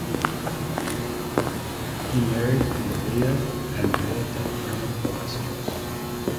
He married Maria Andrea del Carmen Ballesteros.